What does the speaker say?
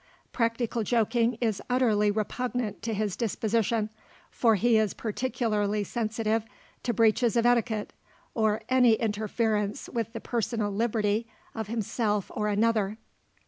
Practical joking is utterly repugnant to his disposition; for he is particularly sensitive to breaches of etiquette, or any interference with the personal liberty of himself or another.